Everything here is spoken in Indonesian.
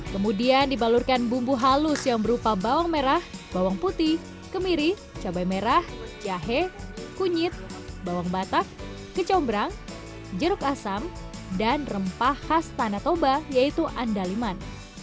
kemudian dibalurkan bumbu halus yang berupa bawang merah bawang putih kemiri cabai merah jahe kunyit bawang batak kecombrang jeruk asam dan rempah khas tanah toba yaitu andaliman